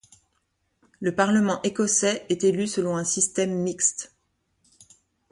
Le Parlement écossais est élu selon un système mixte.